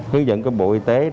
hướng dẫn của bộ y tế